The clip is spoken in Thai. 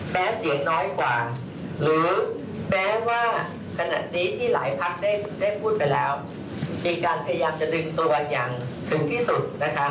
แม้เสียงน้อยกว่าหรือแม้ว่าขณะนี้ที่หลายพักได้พูดไปแล้วมีการพยายามจะดึงตัวอย่างถึงที่สุดนะคะ